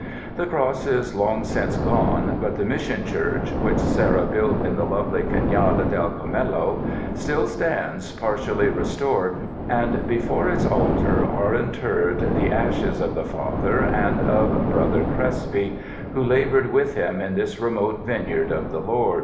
The cross is long since gone, but the Mission church, which Serra built in the lovely Canada del Carmelo, still stands par tially restored, and before its altar are interred the ashes of the Father and of Brother Crespi, who labored with him in this remote vineyard of the Lord.